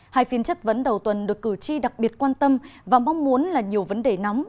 hai phiên chất vấn đầu tuần được cử tri đặc biệt quan tâm và mong muốn là nhiều vấn đề nóng